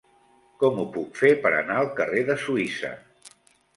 Com ho puc fer per anar al carrer de Suïssa?